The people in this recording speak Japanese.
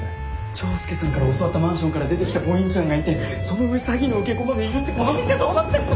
チョウスケさんから教わったマンションから出てきたボインちゃんがいてその上詐欺の受け子までいるってこの店どうなってんの？